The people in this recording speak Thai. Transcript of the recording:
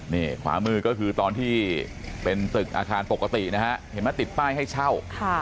นี่ขวามือก็คือตอนที่เป็นตึกอาคารปกตินะฮะเห็นไหมติดป้ายให้เช่า